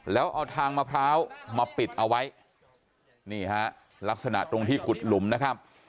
แล้วเอาทางมะพร้าวมาปิดเอาไว้นี่ฮะลักษณะตรงที่ขุดหลุมนะครับ